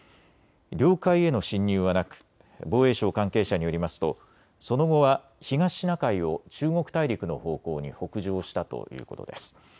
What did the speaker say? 領海への侵入はなく防衛省関係者によりますとその後は東シナ海を中国大陸の方向に北上したということです。